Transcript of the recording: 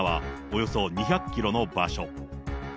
およそ２００キロの場所。